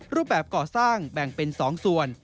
รูปแบบก่อสร้างแบ่งเป็น๒ส่วน